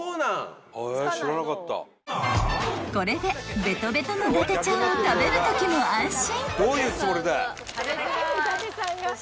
［これでベトベトの伊達ちゃんを食べるときも安心］